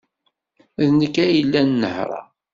D nekk ay yellan nehhṛeɣ.